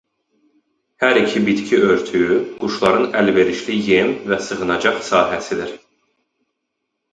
Hər iki bitki örtüyü quşların əlverişli yem və sığınacaq sahəsidir.